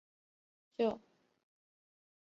究竟在寻找什么